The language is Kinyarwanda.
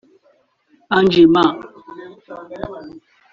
Angel M